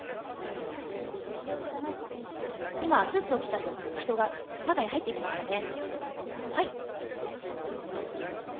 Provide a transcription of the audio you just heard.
今、スーツを着た人が中に入っていきましたね。